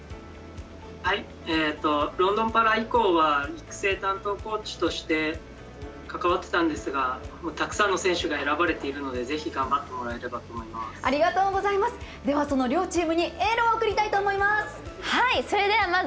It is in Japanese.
ロンドンパラ以降は育成担当コーチとして関わっていたんですがたくさんの選手が選ばれているのでぜひ頑張ってでは両チームにエールを送りたいと思います。